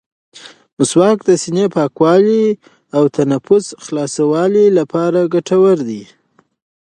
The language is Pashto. مسواک د سینې د پاکوالي او تنفس د خلاصوالي لپاره ګټور دی.